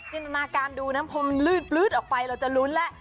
จินตนาการดูนะพอมันลืดออกไปเราจะลุ้นแล้ว